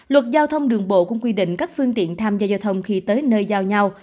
luật giao thông đường bộ cũng quy định các phương tiện tham gia giao thông khi tới nơi giao nhau